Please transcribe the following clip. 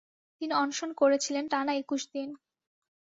তিনি অনশন করেছিলেন টানা একুশ দিন।